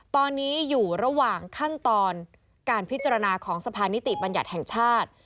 ตอนนี้อยู่ระหว่างขั้นตอนการพิจารณาของสะพานิติบัญญัติแห่งชาติ